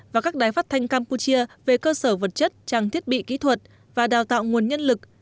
và các đài phát thanh campuchia về cơ sở vật chất trang thiết bị kỹ thuật và đào tạo nguồn nhân lực